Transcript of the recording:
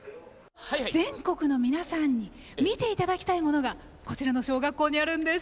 全国の皆さんに見て頂きたいものがこちらの小学校にあるんです。